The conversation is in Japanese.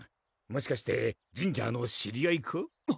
もしかしてジンジャーの知り合いか？